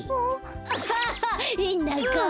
アハハへんなかお。